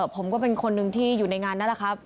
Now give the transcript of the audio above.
ผมก็เป็นคนหนึ่งที่อยู่ในงานนั่นแหละครับ